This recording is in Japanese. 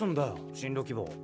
進路希望。